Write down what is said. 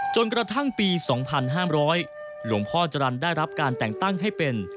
จนกระทั่งปี๒๕๐๐หลวงพ่อจรรย์ได้รับการแต่งตั้งให้เป็น